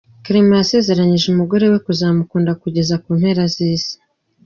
Clement yasezeranyije umugore we kuzamukunda kugeza ku mpera z’isi.